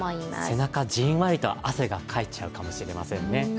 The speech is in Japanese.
背中、じんわりと汗がかいちゃうかもしれませんね。